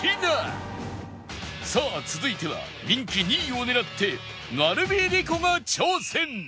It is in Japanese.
さあ続いては人気２位を狙って成海璃子が挑戦